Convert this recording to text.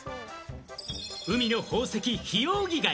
海の宝石・ヒオウギ貝。